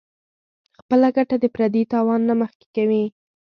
خپله ګټه د پردي تاوان نه مخکې کوي -